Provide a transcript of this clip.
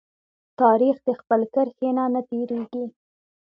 تاریخ د خپل کرښې نه تیریږي.